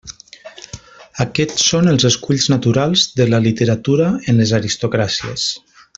Aquests són els esculls naturals de la literatura en les aristocràcies.